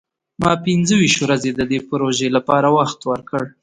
ما پنځه ویشت ورځې د دې پروژې لپاره وخت ورکړ.